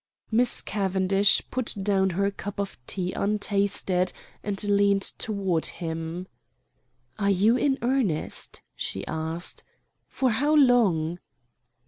Miss Cavendish put down her cup of tea untasted and leaned toward him "Are you in earnest?" she asked. "For how long?"